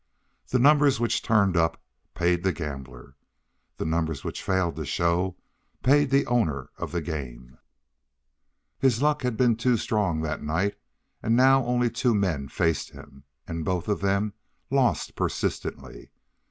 The numbers which turned up paid the gambler. The numbers which failed to show paid the owner of the game. His luck had been too strong that night, and now only two men faced him, and both of them lost persistently.